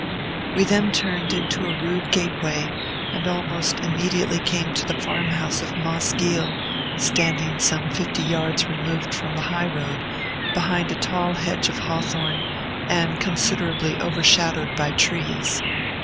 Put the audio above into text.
We then turned into a rude gateway, and almost immediately came to the farm house of Moss Giel, standing some fifty yards removed from the high road, behind a tall hedge of hawthorn, and considerably overshadowed by trees.